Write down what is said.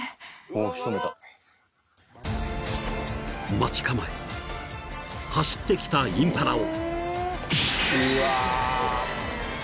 ［待ち構え走ってきたインパラを］